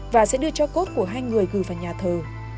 và sẽ đưa cho cốt của hai người gửi vào nhà thờ